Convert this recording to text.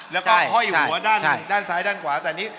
แล้วก็ถ่อยอยู่พวกด้านซ้ายด้านขวาแต่นี้